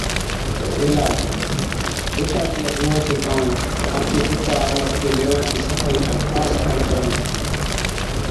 عِلاج، بُتا چِيا جُوئان چي ڪاڻ آپڪي بُتا ائُون آپڪي ليوان چِي صفائِي چا خاص خيال ڪرڻ کپَي۔